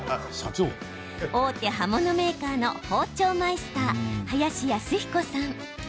大手刃物メーカーの包丁マイスター、林泰彦さん。